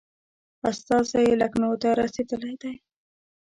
استازی لکنهو ته رسېدلی دی.